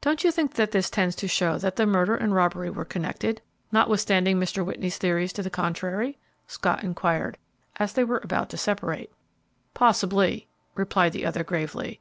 "Don't you think that this tends to show that the murder and robbery were connected, notwithstanding Mr. Whitney's theories to the contrary?" Scott inquired, as they were about to separate. "Possibly," replied the other, gravely.